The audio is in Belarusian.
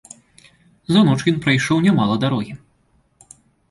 За ноч ён прайшоў нямала дарогі.